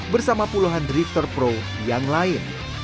bersama puluhan drifter pro yang lain